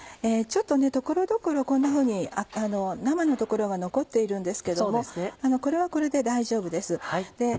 所々こんなふうに生の所が残っているんですけどもこれはこれで大丈夫です。